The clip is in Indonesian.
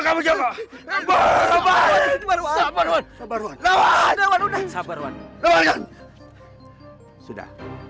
kau masih apa